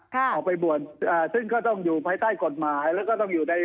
ออกไปบวชอ่าซึ่งก็ต้องอยู่ภายใต้กฎหมายแล้วก็ต้องอยู่ใน